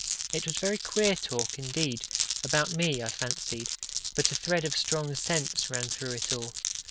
It was very queer talk, indeed about me, I fancied but a thread of strong sense ran through it all.